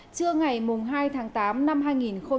trưa ngày hai tháng tám năm hai nghìn hai mươi ba